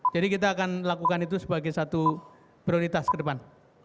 jadi kita akan lakukan itu sebagai satu prioritas ke depan